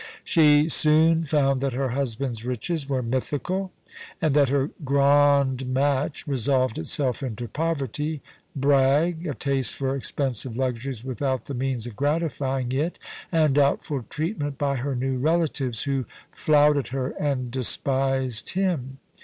She soon found that her husband's riches were mythical, and that her * grand match ' resolved itself into poverty, brag, a taste for expensive luxuries without the means of gratifying it, and doubtful treatment by her new relatives, who flouted her and despised him.